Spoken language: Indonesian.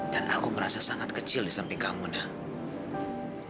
dan aku merasa sangat kecil di samping kamu nek